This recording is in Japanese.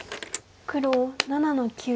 黒７の九。